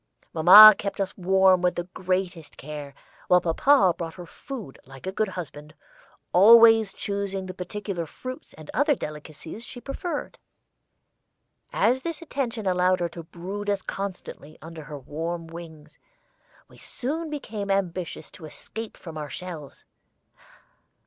Mamma kept us warm with the greatest care, while papa brought her food like a good husband, always choosing the particular fruits and other delicacies she preferred. As this attention allowed her to brood us constantly under her warm wings, we soon became ambitious to escape from our shells.